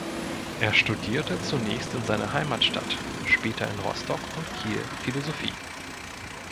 Er studierte zunächst in seiner Heimatstadt, später in Rostock und Kiel Philosophie.